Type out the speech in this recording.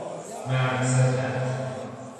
مردصفت